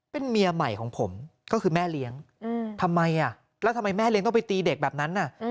เป็นเมียใหม่ของผมก็คือแม่เลี้ยงทำไมแล้วทำไมแม่เลี้ยงต้องไปตีเด็กแบบนั้น